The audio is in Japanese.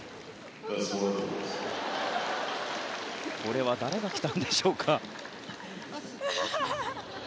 これは誰が来たんでしょうか。